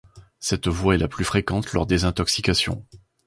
Cette voie est la plus fréquente lors des intoxications.